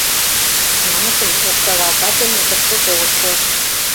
Намысым оксагалта семын кышкылт огыт кошт.